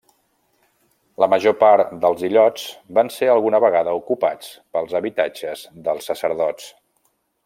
La major part dels illots van ser alguna vegada ocupats pels habitatges dels sacerdots.